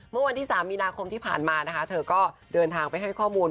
เมื่อวันที่๓มีนาคมที่ผ่านมานะคะเธอก็เดินทางไปให้ข้อมูล